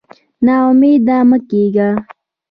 نا امېد مه کېږه.